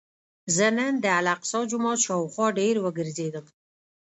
زه نن د الاقصی جومات شاوخوا ډېر وګرځېدم.